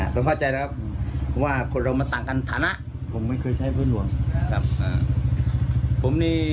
พวกม่อนอาจจะฐานะฐานะมืดก็ไม่รู้ทำงาน